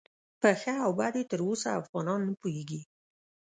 په ښه او بد یې تر اوسه افغانان نه پوهیږي.